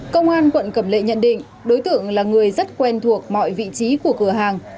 công an quận cẩm lệ nhận định đối tượng là người rất quen thuộc mọi vị trí của cửa hàng